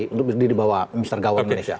untuk berdiri di bawah mr gawang indonesia